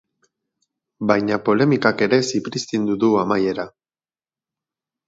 Baina polemikak ere zipriztindu du amaiera.